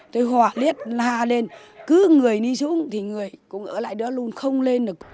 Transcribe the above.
tôi hòa liếc la lên cứ người đi xuống thì người cũng ở lại đó luôn không lên được